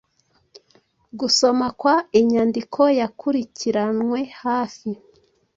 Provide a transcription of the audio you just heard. Gusoma kwa inyandiko yakurikiranwe hafi